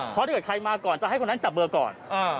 เพราะถ้าเกิดใครมาก่อนจะให้คนนั้นจับเบอร์ก่อน